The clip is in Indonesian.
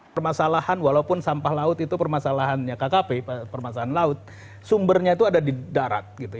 permasalahan walaupun sampah laut itu permasalahannya kkp permasalahan laut sumbernya itu ada di darat